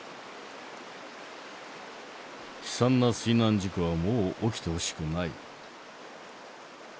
悲惨な水難事故はもう起きてほしくない。